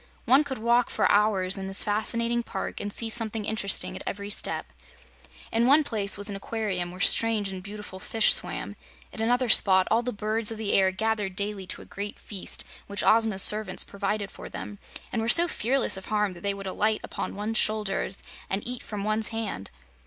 One could walk for hours in this fascinating park and see something interesting at every step. In one place was an aquarium, where strange and beautiful fish swam; at another spot all the birds of the air gathered daily to a great feast which Ozma's servants provided for them, and were so fearless of harm that they would alight upon one's shoulders and eat from one's hand.